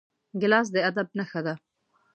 ګیلاس د ادب نښه ده.